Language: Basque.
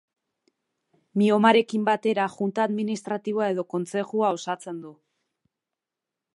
Miomarekin batera junta administratiboa edo kontzejua osatzen du.